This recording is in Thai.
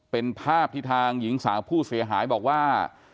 เป็นภาพที่ทางหญิงสาวผู้เสียหายบอกว่า